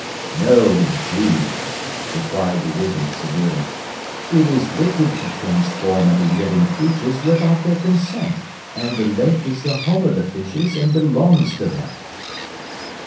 "No indeed!" replied the Wizard, severely. "It is wicked to transform any living creatures without their consent, and the lake is the home of the fishes and belongs to them."